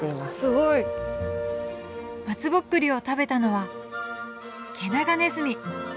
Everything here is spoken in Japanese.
すごい。松ぼっくりを食べたのはケナガネズミ。